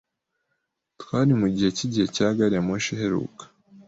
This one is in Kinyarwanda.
Twari mugihe cyigihe cya gari ya moshi iheruka.